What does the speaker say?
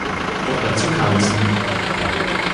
Doch dazu kam es nie.